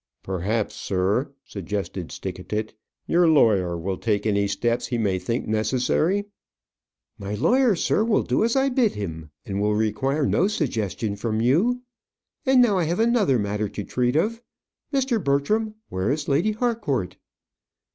"Perhaps, sir," suggested Stickatit, "your lawyer will take any steps he may think necessary?" "My lawyer, sir, will do as I bid him, and will require no suggestion from you. And now I have another matter to treat of. Mr. Bertram, where is Lady Harcourt?"